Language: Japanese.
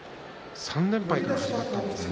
３連敗から始まったんですね。